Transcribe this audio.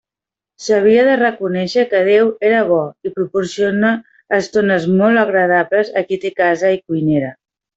S'havia de reconèixer que Déu era bo i proporciona estones molt agradables a qui té casa i cuinera.